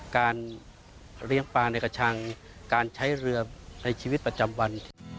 การเลี้ยงปลาในกระชังการใช้เรือในชีวิตประจำวัน